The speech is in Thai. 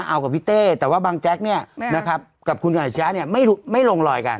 เอากับพี่เต้แต่ว่าบางแจ๊กเนี่ยนะครับกับคุณอาชิยะเนี่ยไม่ลงรอยกัน